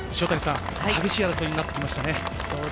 激しい争いになってきましたね。